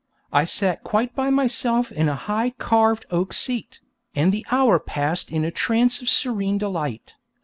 I sat quite by myself in a high carved oak seat, and the hour was passed in a trance of serene delight.